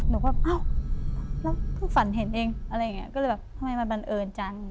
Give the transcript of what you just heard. หนูก็แบบเอ้าแล้วเพิ่งฝันเห็นอีกเลยก็เลยแบบทำไมมันบรรเยินจัง